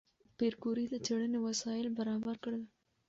پېیر کوري د څېړنې وسایل برابر کړل.